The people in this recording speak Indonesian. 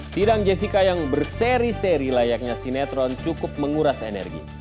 sidang jessica yang berseri seri layaknya sinetron cukup menguras energi